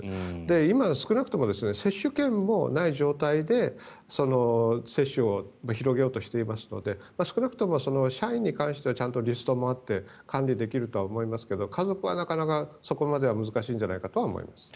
今、少なくとも接種券もない状態で接種を広げようとしていますので少なくとも社員に関してはちゃんとリストもあって管理できるとは思いますが家族はなかなかそこまでは難しいんじゃないかとは思います。